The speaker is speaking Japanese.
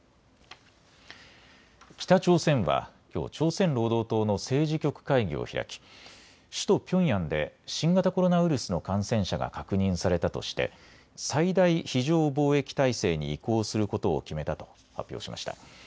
北朝鮮はきょう朝鮮労働党の政治局会議を開き首都ピョンヤンで新型コロナウイルスの感染者が確認されたとして最大非常防疫態勢に移行することを決めたと発表しました。